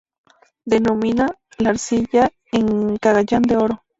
Domina la arcilla en Cagayan de Oro.